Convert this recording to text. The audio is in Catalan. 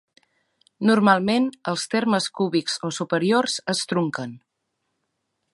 Normalment, els termes cúbics o superiors es trunquen.